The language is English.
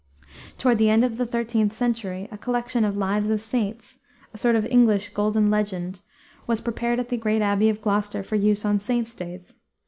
Toward the end of the 13th century a collection of lives of saints, a sort of English Golden Legend, was prepared at the great abbey of Gloucester for use on saints' days.